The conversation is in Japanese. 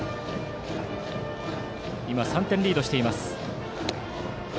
今、３点リードしています。